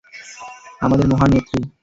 আমাদের মহান নেত্রী।